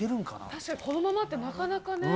確かにこのままって、なかなかね。